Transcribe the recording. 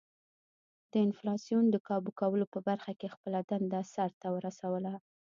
د انفلاسیون د کابو کولو په برخه کې خپله دنده سر ته ورسوله.